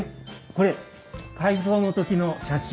これ改装の時の写真。